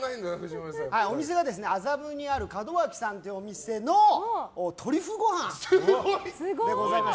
お店は麻布にあるかどわきさんというお店のトリュフ御飯でございます。